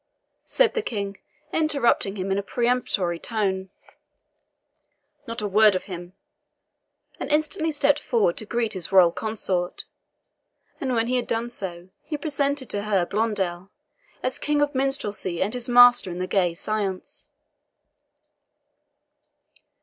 said the King, interrupting him in a peremptory tone, "not a word of him," and instantly stepped forward to greet his royal consort; and when he had done so, he presented to her Blondel, as king of minstrelsy and his master in the gay science.